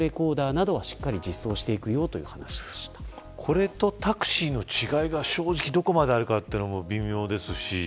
これとタクシーの違いが正直どこまであるかというのも微妙ですし